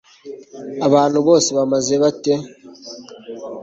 abantu bose bameze bate